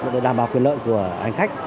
để đảm bảo quyền lợi của hành khách